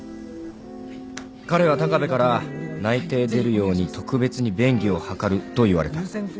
彼は鷹部から「内定出るように特別に便宜を図る」と言われた。